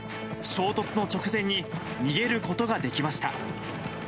衝突の直前に逃げることができました。